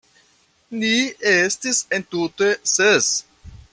Ni estis entute ses.